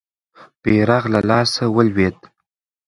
بیرغ له لاسه ولوېد.